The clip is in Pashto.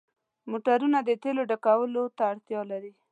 موټرونه د تیلو ډکولو ته اړتیا لري.